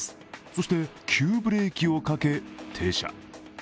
そして急ブレーキをかけ停車。